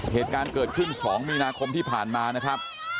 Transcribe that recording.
เหตุการณ์เกิดขึ้น๒มีนาคมที่ผ่านมานะครับ